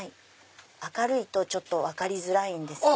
明るいと分かりづらいんですけど。